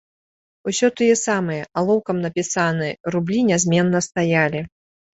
Усё тыя самыя, алоўкам напісаныя, рублі нязменна стаялі.